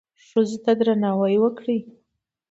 ښځو ته درناوی وکړئ